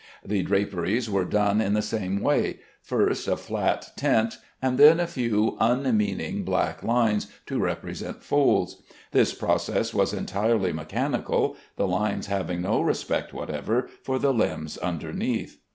The draperies were done in the same way, first a flat tint and then a few unmeaning black lines to represent folds. This process was entirely mechanical, the lines having no respect whatever for the limbs underneath.